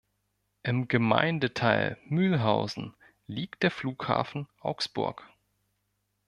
Im Gemeindeteil Mühlhausen liegt der Flughafen Augsburg.